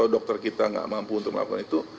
dokter kita nggak mampu untuk melakukan itu